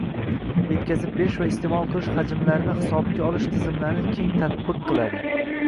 yetkazib berish va iste’mol qilish hajmlarini hisobga olish tizimlarini keng tatbiq qiladi;